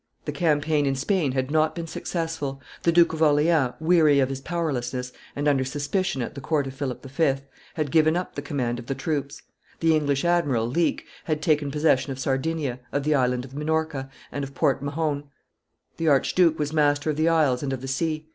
The campaign in Spain had not been successful; the Duke of Orleans, weary of his powerlessness, and under suspicion at the court of Philip V., had given up the command of the troops; the English admiral, Leake, had taken possession of Sardinia, of the Island of Minorca, and of Port Mahon; the archduke was master of the isles and of the sea.